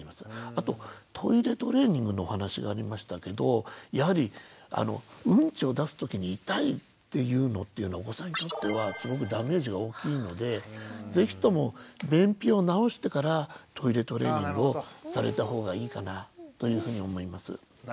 あとトイレトレーニングのお話がありましたけどやはりウンチを出す時に痛いっていうのはお子さんにとってはすごくダメージが大きいので是非とも便秘を治してからトイレトレーニングをされた方がいいかなというふうに思います。